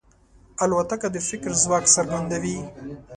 الوتکه د فکر ځواک څرګندوي.